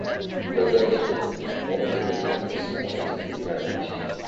Eventually, one of the mechanics found it in the garage.